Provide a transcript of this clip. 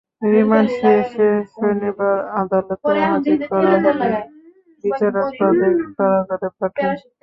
Remand শেষে শনিবার আদালতে হাজির করা হলে বিচারক তাঁদের কারাগারে পাঠান।